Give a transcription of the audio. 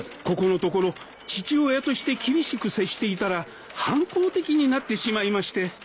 ここのところ父親として厳しく接していたら反抗的になってしまいまして。